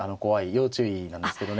要注意なんですけどね。